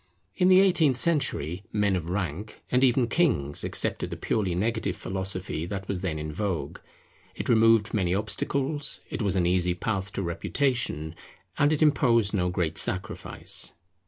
In the eighteenth century, men of rank, and even kings, accepted the purely negative philosophy that was then in vogue; it removed many obstacles, it was an easy path to reputation, and it imposed no great sacrifice.